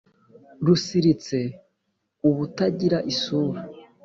rusiritse ubutagira isura,